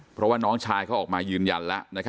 เพราะว่าน้องชายเขาออกมายืนยันแล้ว